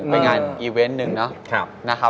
ไปงานอีเวนต์นึงเนอะ